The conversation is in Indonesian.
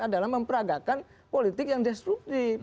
adalah memperagakan politik yang destruktif